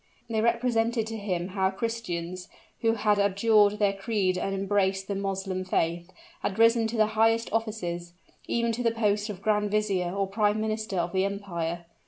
They represented to him how Christians, who had abjured their creed and embraced the Moslem faith, had risen to the highest offices, even to the post of grand vizier, or prime minister of the empire.